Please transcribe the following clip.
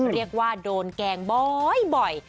เรียกว่าโดนแกล้งบ่อย